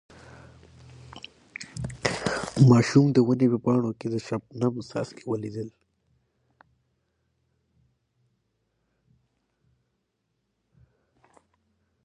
ماشوم د ونې په پاڼو کې د شبنم څاڅکي ولیدل.